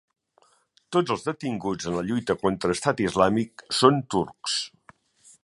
Tots els detinguts en la lluita contra Estat Islàmic són turcs